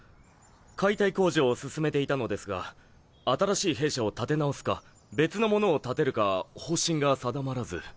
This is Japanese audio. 解体工事を進めていたのですが新しい兵舎を建て直すか別のものを建てるか方針が定まらず。